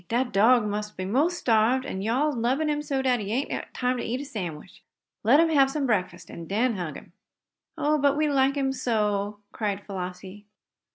Dat dog must be mos' starved, an' yo' all is lubbin him so dat he ain't time to eat a sandwich. Let him hab some breakfast, an' den hug him!" "Oh, but we like him so!" cried Flossie.